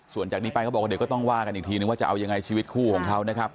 ส่วนจากนี้ไปเขาบอกว่าเดี๋ยวก็ต้องว่ากันอีกทีนึงว่าจะเอายังไงชีวิตคู่ของเขานะครับ